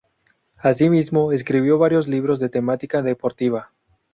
Asimismo, escribió varios libros de temática deportiva.